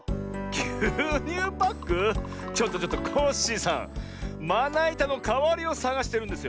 ちょっとちょっとコッシーさんまないたのかわりをさがしてるんですよ。